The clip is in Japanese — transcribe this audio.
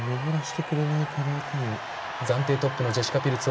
暫定トップのジェシカ・ピルツ。